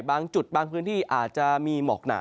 บางจุดบางพื้นที่อาจจะมีหมอกหนา